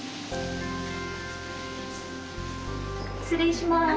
失礼します。